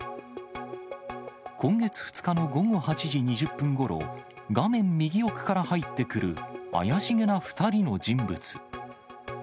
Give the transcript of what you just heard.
今月２日の午後８時２０分ごろ、画面右奥から入ってくる怪しげな２人の人物。